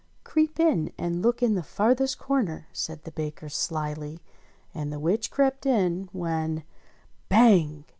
"Creep in and look in the farthest corner," said the baker slyly, and the witch crept in when Bang